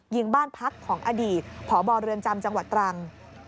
ยิงบ้านพักของอดีตพบเรือนจำจังหวัดตรัง